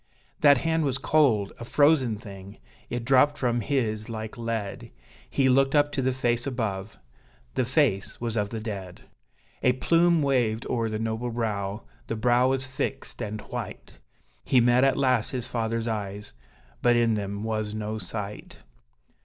That hand was cold a frozen thing it dropped from his like lead: He looked up to the face above the face was of the dead! A plume waved o'er the noble brow the brow was fixed and white; He met at last his father's eyes but in them was no sight!